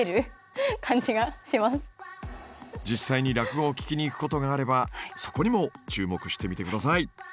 実際に落語を聞きに行くことがあればそこにも注目してみてください。